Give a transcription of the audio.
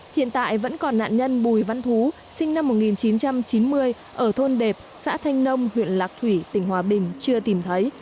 hiện tại vẫn còn nạn nhân bùi văn thú sinh năm một nghìn chín trăm chín mươi ở thôn đẹp xã thanh nông huyện lạc thủy tỉnh hòa bình chưa tìm thấy